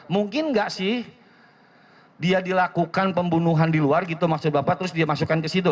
mungkin nggak sih dia dilakukan pembunuhan di luar gitu maksudnya bapak terus dia masukkan ke situ